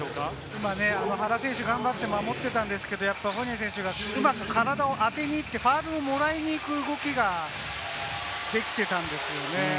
今、原選手、頑張って守ってたんですけれども、フォーニエ選手がうまく体を当てにいってファウルをもらいに行く動きができていたんですよね。